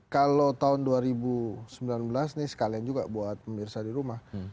kalau tahun dua ribu sembilan belas nih sekalian juga buat pemirsa di rumah